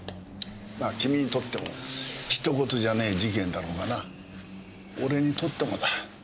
まあ君にとっても他人事じゃねえ事件だろうがな俺にとってもだ。